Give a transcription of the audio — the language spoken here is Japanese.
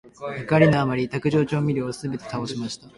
怒りのあまり、卓上調味料をすべて倒してしまいました。